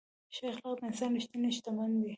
ښه اخلاق د انسان ریښتینې شتمني ده.